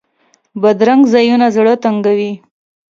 بدرنګه ځایونه زړه تنګوي